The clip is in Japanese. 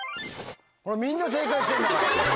ほらみんな正解してんだから。